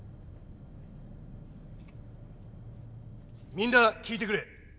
みんな聞いてくれ。